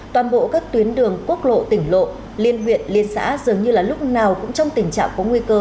toàn bộ các tuyến đường quốc lộ tỉnh lộ liên huyện liên xã dường như là lúc nào cũng trong tình trạng có nguy cơ